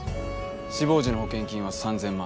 死亡時の保険金は３千万。